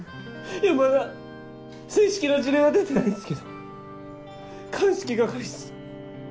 まだ正式な辞令は出てないんすけど鑑識係っす。